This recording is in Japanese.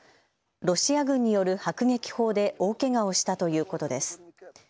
ロシア軍による迫撃砲で大けがをしたということです。